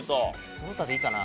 その他でいいかな。